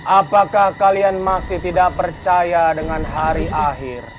apakah kalian masih tidak percaya dengan hari akhir